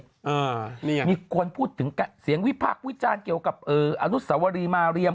อ่านี่ไงมีคนพูดถึงการเสียงวิพักวิจารณ์เกี่ยวกับเอออนุสวรีมาเรียม